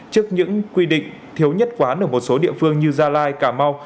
trước những quy định thiếu nhất quán ở một số địa phương như gia lai cà mau